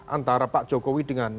antara pak jokowi dengan